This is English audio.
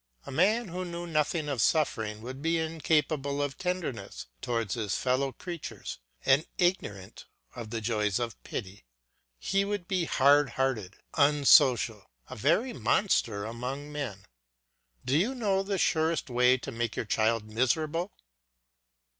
A man who knew nothing of suffering would be incapable of tenderness towards his fellow creatures and ignorant of the joys of pity; he would be hard hearted, unsocial, a very monster among men. Do you know the surest way to make your child miserable?